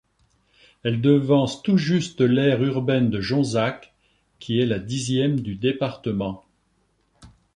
Elle devance tout juste l'aire urbaine de Jonzac qui est la dixième du département.